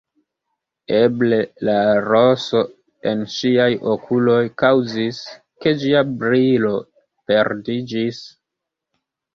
Eble la roso en ŝiaj okuloj kaŭzis, ke ĝia brilo perdiĝis.